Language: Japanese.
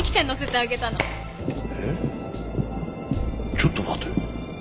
ちょっと待て。